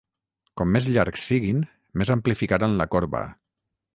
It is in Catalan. Com més llargs siguin, més amplificaran la corba.